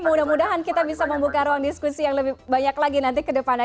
mudah mudahan kita bisa membuka ruang diskusi yang lebih banyak lagi nanti ke depannya